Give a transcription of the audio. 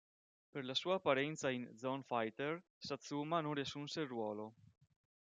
Per la sua apparenza in "Zone Fighter", Satsuma non riassunse il ruolo.